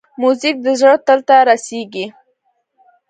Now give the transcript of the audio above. موزیک د زړه تل ته رسېږي.